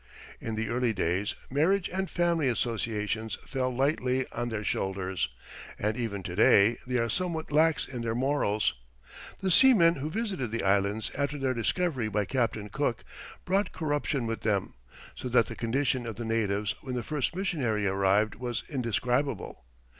In the early days, marriage and family associations fell lightly on their shoulders, and even to day they are somewhat lax in their morals. The seamen who visited the Islands after their discovery by Captain Cook brought corruption with them, so that the condition of the natives when the first missionary arrived was indescribable.